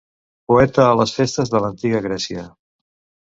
Poeta a les festes de l'antiga Grècia.